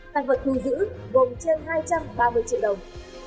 tăng vật thu giữ gồm trên hai trăm ba mươi triệu đồng